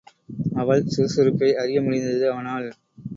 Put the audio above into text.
அவள் சுறுசுறுப்பை அறிய முடிந்தது அவனால்.